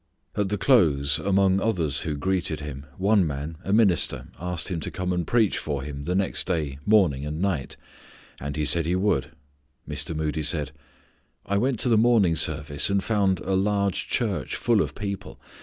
At the close among others who greeted him, one man, a minister, asked him to come and preach for him the next day morning and night, and he said he would. Mr. Moody said, "I went to the morning service and found a large church full of people.